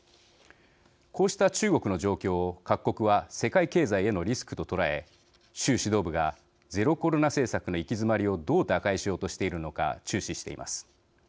こうした中国の状況を各国は世界経済へのリスクと捉え習指導部がゼロコロナ政策の行き詰まりをどう打開しようとしているのか注視しています。